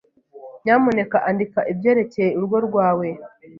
Nyamuneka andika ibyerekeye urugo rwawe.